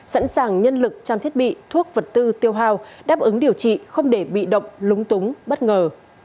sẵn sàng nhân lực trang thiết bị thuốc vật tư tiêu hào đáp ứng điều trị không để bị động lúng túng bất ngờ